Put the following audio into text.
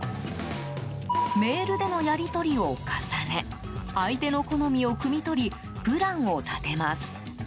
メールでのやり取りを重ね相手の好みをくみ取りプランを立てます。